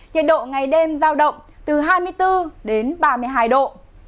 nhiệt độ ngày đêm giao động từ hai mươi bốn đến ba mươi hai độ